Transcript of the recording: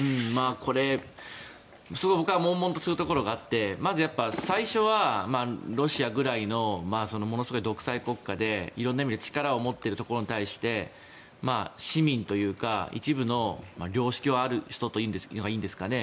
これ僕は悶々とするところがあってまず、最初はロシアぐらいのものすごい独裁国家で色んな意味で力を持っているところに対して市民というか一部の良識ある人というのがいいんですかね